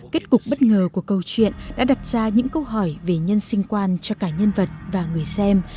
kết cục bất ngờ của câu chuyện đã đặt ra những câu hỏi về nhân sinh quan cho cả nhân vật và người xem